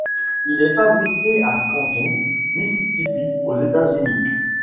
Il est fabriqué à Canton, Mississippi, aux États-Unis.